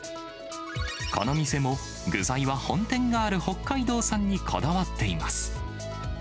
この店も、具材は本店がある北海道産にこだわっています。